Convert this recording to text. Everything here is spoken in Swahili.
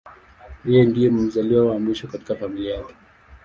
Yeye ndiye mzaliwa wa mwisho katika familia yake.